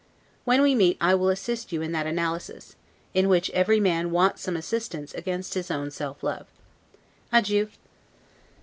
When we meet I will assist you in that analysis, in which every man wants some assistance against his own self love. Adieu.